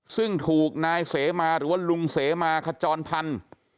ซึ่งถูกนายเสมาหรือว่าลุงเสมาขจรพันธุ์